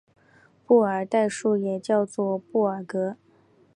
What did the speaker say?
布尔代数也叫做布尔格。